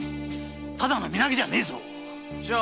ただの身投げじゃねえぞ。